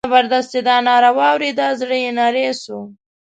زبردست چې دا ناره واورېده زړه یې نری شو.